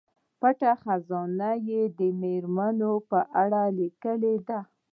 په پټه خزانه کې یې د دې میرمنې په اړه لیکلي دي.